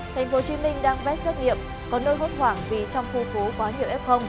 thành phố hồ chí minh đang vét xét nghiệm có nơi hốt hoảng vì trong khu phố quá nhiều f